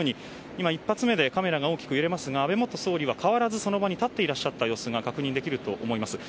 １発目でカメラが大きく揺れますが安倍総理は変わらずにその場に立っていらっしゃった様子が確認できると思います。